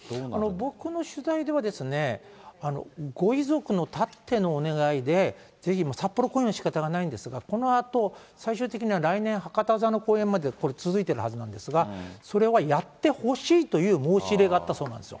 僕の取材では、ご遺族のたってのお願いで、ぜひもう、札幌公演はしかたないんですが、このあと、最終的な来年博多座の公演までこれ、続いてるはずなんですが、それはやってほしいという申し入れがあったそうなんですよ。